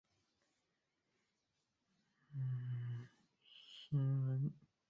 康熙二十六年中式丁卯科江南乡试举人。